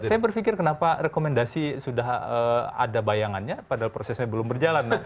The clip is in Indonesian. saya berpikir kenapa rekomendasi sudah ada bayangannya padahal prosesnya belum berjalan